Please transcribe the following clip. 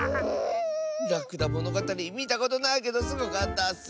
「らくだものがたり」みたことないけどすごかったッス。